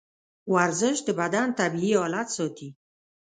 ورزش د بدن طبیعي حالت ساتي.